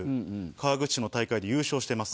川口市の大会で優勝してます。